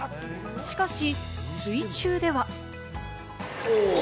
しかし、水中では。